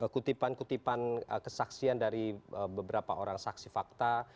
kutipan kutipan kesaksian dari beberapa orang saksi fakta